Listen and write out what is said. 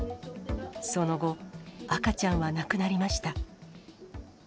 その後、赤ちゃんは亡くなりました。